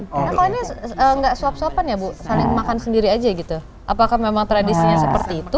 kalau ini nggak suap suapan ya bu saling makan sendiri aja gitu apakah memang tradisinya seperti itu